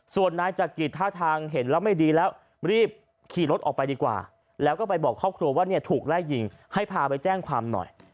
ส่วนนายจักริตท่าทางเห็นแล้วไม่ดีแล้วรีบขี่รถออกไปดีกว่าแล้วก็ไปบอกครอบครัวว่าเนี่ยถูกไล่ยิงให้พาไปแจ้งความหน่อย